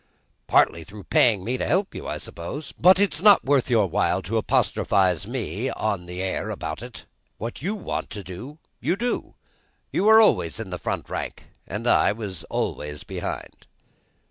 "Partly through paying me to help you, I suppose. But it's not worth your while to apostrophise me, or the air, about it; what you want to do, you do. You were always in the front rank, and I was always behind."